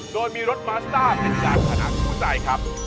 โดยมีรถมาสตาร์ดเป็นจานขนาดผู้ใจครับ